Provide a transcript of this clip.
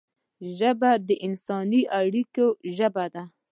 ژبه د انساني اړیکو ژبه ده